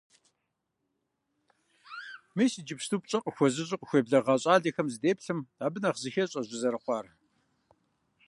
Мис иджыпсту, пщӀэ къыхуэзыщӀу къыхуеблэгъа щӀалэхэм здеплъым, абы нэхъ зыхещӀэ жьы зэрыхъуар.